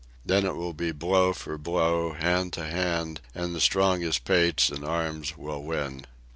Then it will be blow for blow, hand to hand, and the strongest pates and arms will win.